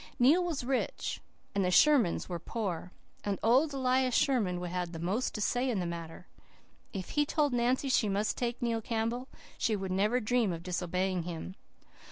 Neil was rich and the Shermans were poor, and old Elias Sherman would have the most to say in the matter. If he told Nancy she must take Neil Campbell she would never dream of disobeying him.